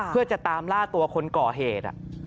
เพื่อจะตามล่าตัวคนก่อเหตุ